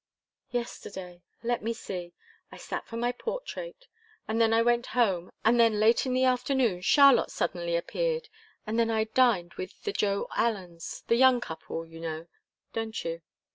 "Yesterday? Let me see I sat for my portrait, and then I went home, and then late in the afternoon Charlotte suddenly appeared, and then I dined with the Joe Allens the young couple, you know, don't you?